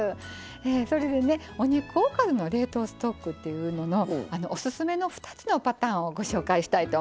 それでねお肉おかずの冷凍ストックというののオススメの２つのパターンをご紹介したいと思います。